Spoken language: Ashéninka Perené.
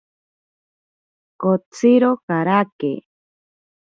Kotsiro karake.